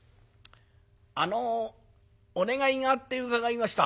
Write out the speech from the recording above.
あのお願いがあって伺いました」。